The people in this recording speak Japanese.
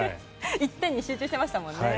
一点に集中していましたもんね。